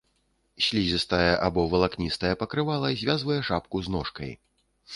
Слізістае або валакністае пакрывала звязвае шапку з ножкай.